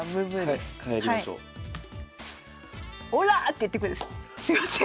すいません。